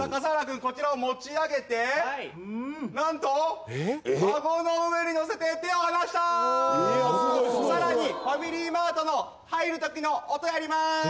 こちらを持ち上げて何とアゴの上に乗せて手を離したさらにファミリーマートの入る時の音やります